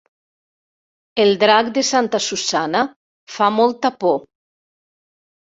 El drac de Santa Susanna fa molta por